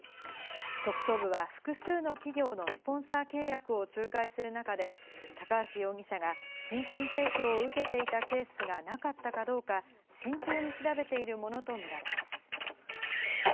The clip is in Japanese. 特捜部は複数の企業のスポンサー契約を仲介する中で、高橋容疑者が金銭提供を受けていたケースがなかったかどうか、慎重に調べているものとみられます。